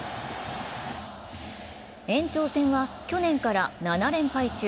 延長戦は去年から７連敗中。